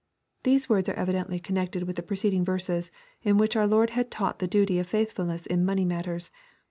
] These words are evi dently connected with the preceding verses, in which our Lord had taught the duty of faithfulness in money matters.